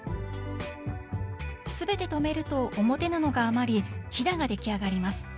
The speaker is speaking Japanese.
全て留めると表布が余りヒダができあがります